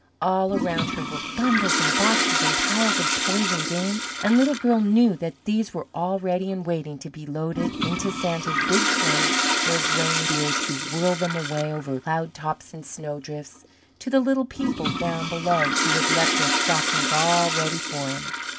All around her were bundles and boxes and piles of toys and games, and Little Girl knew that these were all ready and waiting to be loaded into Santa's big sleigh for his reindeer to whirl them away over cloudtops and snowdrifts to the little people down below who had left their stockings all ready for him.